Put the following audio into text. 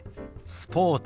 スポーツ。